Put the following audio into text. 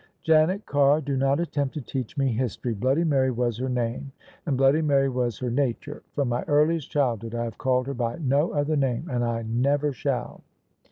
" Janet Carr, do not attempt to teach me history. Bloody Mary was her name and Bloody Mary was her nature : from my earliest childhood I have called her by no other name, and I never shall."